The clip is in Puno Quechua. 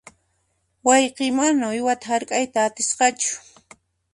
Wayqiy mana uywata hark'ayta atisqachu.